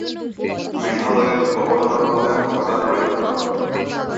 মেঘালয়ের গভর্নর হলেন প্রধান রেক্টর।